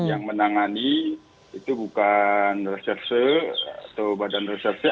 yang menangani itu bukan reserse atau badan reserse